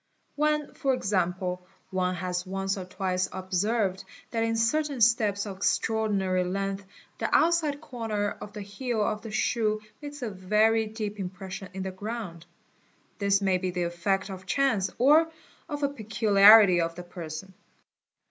When for example one has once or twice observed that in certain steps of extraordinary length the outside corner of the heel of the shoe makes a very deep impression in the ground, this may be the effect of chance or of a peculiarity of the person.